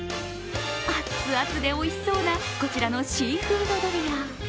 熱々でおいしそうなこちらのシーフードドリア。